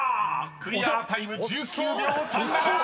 ［クリアタイム１９秒３７！］